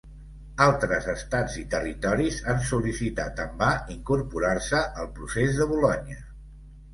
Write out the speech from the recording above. Altres estats i territoris han sol·licitat en va incorporar-se al Procés de Bolonya.